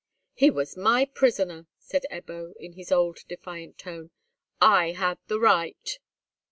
"He was my prisoner!" said Ebbo, in his old defiant tone; "I had the right."